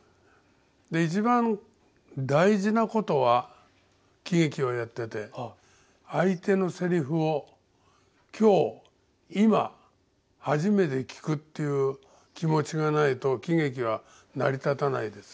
一番大事なことは喜劇をやってて相手のセリフを今日今初めて聞くっていう気持ちがないと喜劇は成り立たないです。